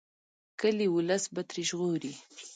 کلي ولس به ترې ژغوري.